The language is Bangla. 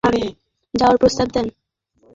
তাই তিনি নিকটবর্তী কোন গ্রামে চলে যাওয়ার প্রস্তাব দেন।